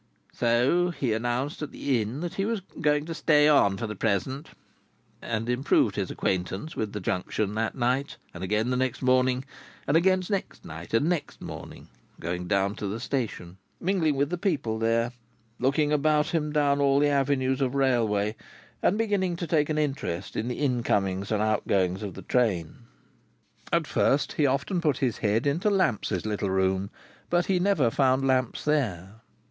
So, he announced at the Inn that he was "going to stay on, for the present," and improved his acquaintance with the Junction that night, and again next morning, and again next night and morning: going down to the station, mingling with the people there, looking about him down all the avenues of railway, and beginning to take an interest in the incomings and outgoings of the trains. At first, he often put his head into Lamps's little room, but he never found Lamps there.